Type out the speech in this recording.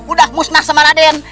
udah musnah sama raden